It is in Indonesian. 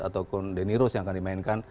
atau denny rose yang akan dimainkan